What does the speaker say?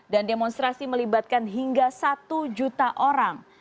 dan demonstrasi melibatkan hingga satu juta orang